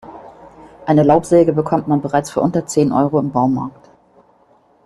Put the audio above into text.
Eine Laubsäge bekommt man bereits für unter zehn Euro im Baumarkt.